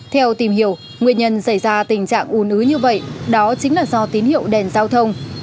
theo tìm hiểu nguyên nhân xảy ra tình trạng u nứ như vậy đó chính là do tín hiệu đèn giao thông